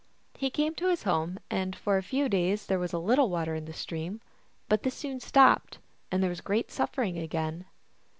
He came to his home, and for a few days there was a little water in the stream ; but this soon stopped, and there was great suffering again.